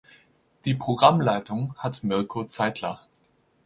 Die Programmleitung hat Mirko Zeitler.